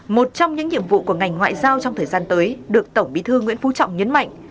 một trong những nhiệm vụ của ngành ngoại giao trong thời gian tới được tổng bí thư nguyễn phú trọng nhấn mạnh